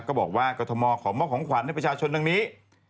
บอกว่ากรทมขอมอบของขวัญให้ประชาชนดังนี้